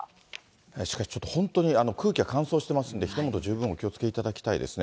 しかしちょっと本当に空気が乾燥してますんで、火の元、十分お気をつけいただきたいですね。